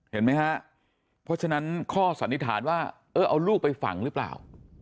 เห็นไหมฮะเพราะฉะนั้นข้อสันนิษฐานว่าเออเอาลูกไปฝังหรือเปล่า